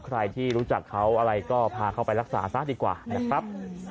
ใครที่รู้จักเขาอะไรก็พาเขาไปรักษาซะดีกว่านะครับ